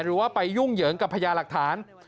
หรือว่าไปยุ่งเหยิงกับพญาหลักฐาน